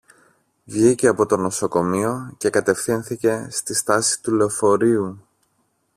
Βγήκε από το νοσοκομείο και κατευθύνθηκε στη στάση του λεωφορείου